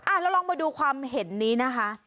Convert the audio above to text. เราลองมาดูความเห็นนี้นะคะ